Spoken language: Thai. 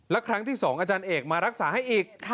และครั้งที่๒อาจารย์เอกมารักษาให้อีก